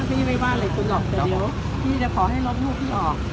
พี่ไม่ว่าอะไรคุณหรอกแต่เดี๋ยวพี่จะขอให้ลบลูกพี่ออก